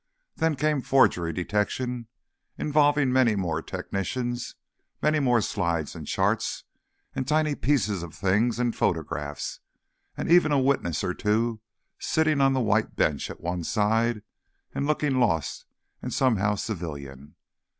Then came Forgery Detection, involving many more technicians, many more slides and charts and tiny pieces of things and photographs, and even a witness or two sitting on the white bench at one side and looking lost and somehow civilian.